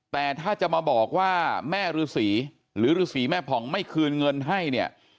แต่ถ้าจะมาบอกว่าแม่ฤษีหรือฤษีแม่ผ่องไม่คืนเงินให้เนี่ย